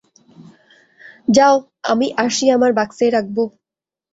যাও, আমি আরশি আমার বাক্সে রাখবো।